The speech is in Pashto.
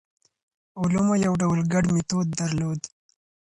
علومو یو ډول ګډ میتود درلود.